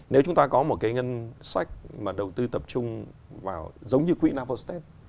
nếu chúng ta có một cái ngân sách mà đầu tư tập trung vào giống như quỹ navostep